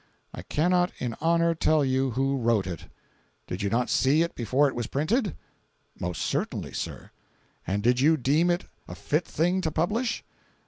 "I cannot in honor tell you who wrote it." "Did you not see it before it was printed?" "Most certainly, sir." "And did you deem it a fit thing to publish?"